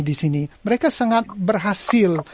di sini mereka sangat berhasil